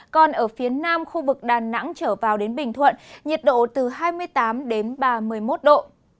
còn ở phía nam khu vực đà nẵng trở vào đến bình thuận nhiệt độ từ hai mươi tám đến ba mươi một độ